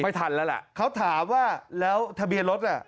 ไม่ทันแล้วล่ะเขาถามว่าแล้วทะเบียนรถอ่ะ